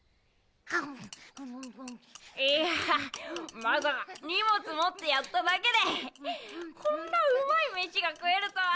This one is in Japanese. いやあまさか荷物持ってやっただけでこんなうまい飯が食えるとは。